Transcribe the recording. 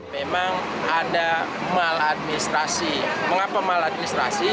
memang ada maladministrasi mengapa maladministrasi